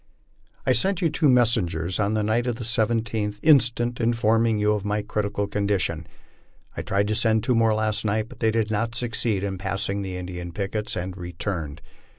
I sent you two messengers on the night of the 17th instant, informing you of my critical condi tion. I tried to send two more last night, but they did not succeed in passing the Indian pickets, and returned.